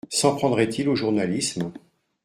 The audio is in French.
S’en prendrait-il au journalisme ?